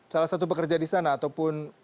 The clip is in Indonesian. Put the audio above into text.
salah satu pekerja di sana ataupun